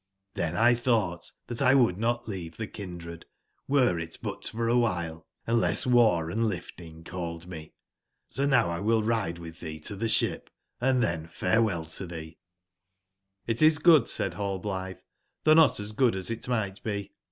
Xlhcn X tbougbt tbat X would not leave tbe kindred, were it but for a wbile, unless war and lifting called me. So now 1 will ride witb tbee to tbe sbip, & tben farewell to tbee "j^ '* Xt is good,'' said Hallblitbe, '^ tbougb not as good as it migbt be.